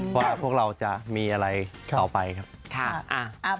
ว่าพวกเราจะมีอะไรต่อไปครับ